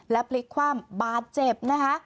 และพลิกคว่ำบาดเจ็บนะคะ